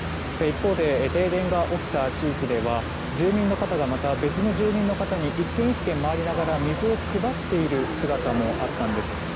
一方で停電が起きた地域では住民の方がまた別の住民の方に１軒１軒回りながら水を配っている姿もあったんです。